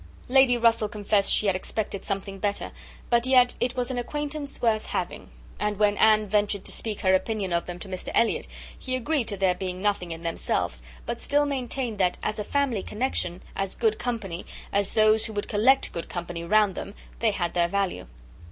Lady Russell confessed she had expected something better; but yet "it was an acquaintance worth having;" and when Anne ventured to speak her opinion of them to Mr Elliot, he agreed to their being nothing in themselves, but still maintained that, as a family connexion, as good company, as those who would collect good company around them, they had their value.